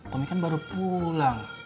tommy kan baru pulang